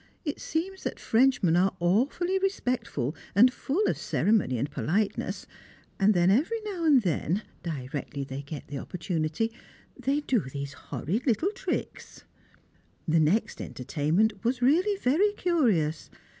It seems that Frenchmen are awfully respectful, and full of ceremony and politeness, and then every now and then directly they get the opportunity they do these horrid little tricks. The next entertainment was really very curious.